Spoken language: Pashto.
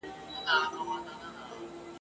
پر پچه وختی کشمیر یې ولیدی ..